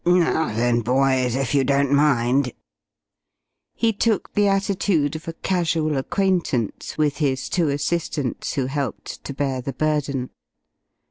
"Now then, boys, if you don't mind " He took the attitude of a casual acquaintance with his two assistants who helped to bear the burden.